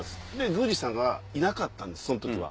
宮司さんがいなかったんですその時は。